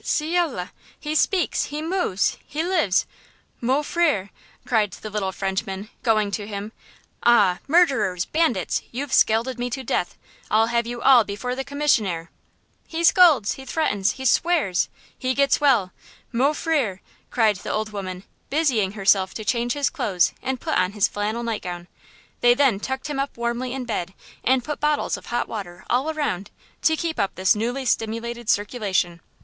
"Ciel! he speaks! he moves! he lives! mon frère!" cried the little Frenchwoman, going to him. "Ah, murderers! bandits! you've scalded me to death! I'll have you all before the commissaire!" "He scolds! he threatens! he swears! he gets well! mon frère!" cried the old woman, busying herself to change his clothes and put on his flannel nightgown. They then tucked him up warmly in bed and put bottles of hot water all around, to keep up this newly stimulated circulation.